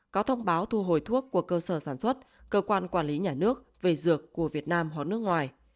có thông báo thu hồi thuốc của cơ sở sản xuất cơ quan quản lý nhà nước về dược của việt nam hoặc nước ngoài